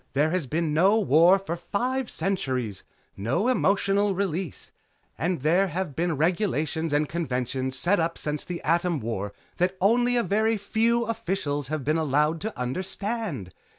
There has been no war for five centuries. No emotional release. And there have been regulations and conventions set up since the Atom War that only a very few officials have been allowed to understand.